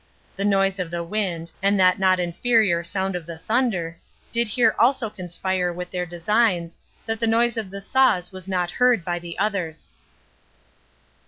The noise of the wind, and that not inferior sound of the thunder, did here also conspire with their designs, that the noise of the saws was not heard by the others.